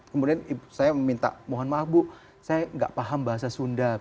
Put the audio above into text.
kemudian saya minta mohon maaf bu saya nggak paham bahasa sunda